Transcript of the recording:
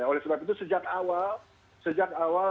oleh sebab itu sejak awal